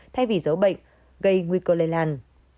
thay vì giấu bệnh gây nguy cơ lây lan